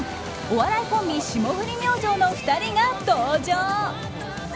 お笑いコンビ、霜降り明星の２人が登場。